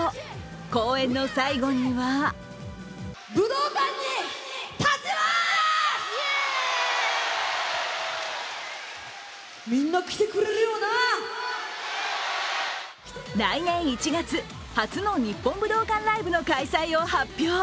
公演の最後には来年１月、初の日本武道館ライブの開催を発表。